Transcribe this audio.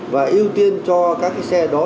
và ưu tiên cho các cái xe đó